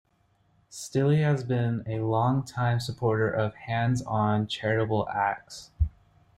Stilley has been a long time supporter of hands on charitable acts.